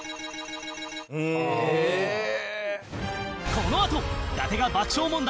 このあと伊達が爆笑問題